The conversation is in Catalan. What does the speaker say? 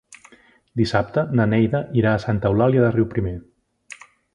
Dissabte na Neida irà a Santa Eulàlia de Riuprimer.